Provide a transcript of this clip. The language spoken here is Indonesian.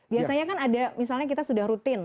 biasanya kan ada misalnya kita sudah rutin